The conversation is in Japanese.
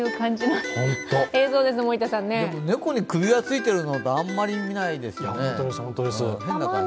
でも、猫に首輪ついてるのってあまり見ないですよね、変な感じ。